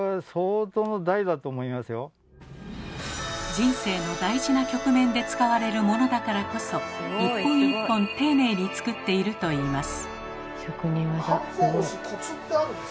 人生の大事な局面で使われるものだからこそ一本一本丁寧に作っているといいます。